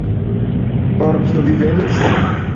Por kio vi venis?